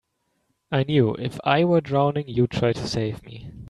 I knew if I were drowning you'd try to save me.